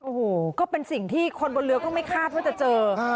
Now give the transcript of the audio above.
โอ้โหก็เป็นสิ่งที่คนบนเรือก็ไม่คาดว่าจะเจอ